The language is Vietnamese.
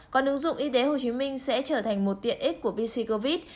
còn ứng dụng y tế hồ chí minh sẽ trở thành một tiện ích của vc covid